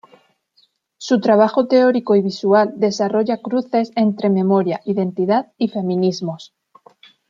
Su trabajo teórico y visual desarrolla cruces entre memoria, identidad y feminismos.